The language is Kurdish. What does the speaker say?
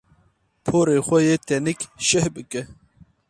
Porê xwe yê tenik şeh bike.